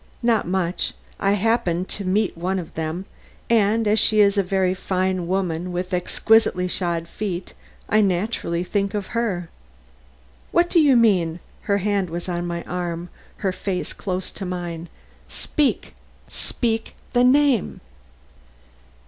"Not much. I happened to meet one of them, and as she is a very fine woman with exquisitely shod feet, I naturally think of her." "What do you mean?" Her hand was on my arm, her face close to mine. "Speak! speak! the name!"